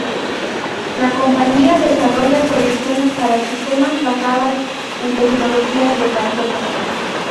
La compañía desarrolla soluciones para sistemas basadas en tecnologías de tarjetas.